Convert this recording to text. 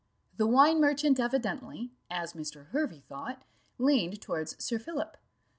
The wine merchant evidently, as Mr. Hervey thought, leaned towards Sir Philip.